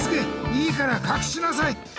いいからかくしなさい！